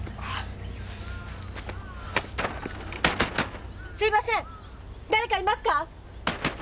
すいません誰かいますか？